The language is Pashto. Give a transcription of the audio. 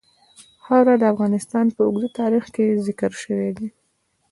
خاوره د افغانستان په اوږده تاریخ کې ذکر شوی دی.